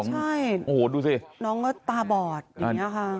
ใช่น้องก็ตาบอดอย่างนี้ค่ะ